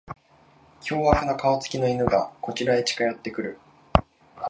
凶暴な顔つきの犬がこちらへ近寄ってくる